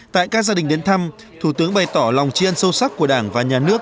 tại các gia đình đến thăm thủ tướng bày tỏ lòng chiên sâu sắc của đảng và nhà nước